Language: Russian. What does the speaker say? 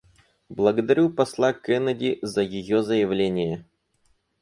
Благодарю посла Кеннеди за ее заявление.